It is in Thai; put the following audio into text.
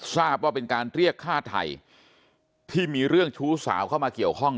ทราบว่าเป็นการเรียกฆ่าไทยที่มีเรื่องชู้สาวเข้ามาเกี่ยวข้อง